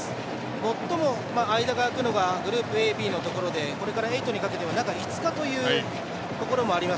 最も間が空くのがグループＡ、Ｂのところで中５日というところもあります。